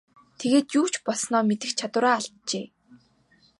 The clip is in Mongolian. Тэгээд юу ч болсноо мэдэх чадвараа алджээ.